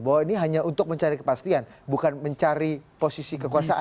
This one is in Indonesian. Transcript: bahwa ini hanya untuk mencari kepastian bukan mencari posisi kekuasaan